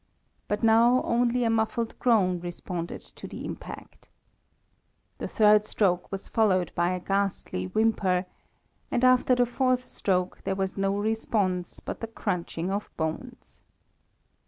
But now only a muffled groan responded to the impact. The third stroke was followed by a ghastly whimper, and after the fourth stroke there was no response but the crunching of bones.